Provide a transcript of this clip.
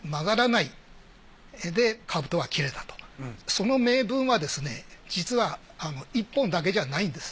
その銘文は実は１本だけじゃないんです。